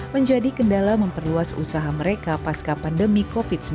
menjadi kendala memperluas usaha mereka pasca pandemi covid sembilan belas